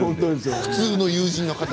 普通の友人の方。